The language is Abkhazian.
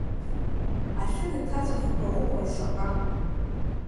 Ашәыга ҭаҵәахқәа умои шаҟа?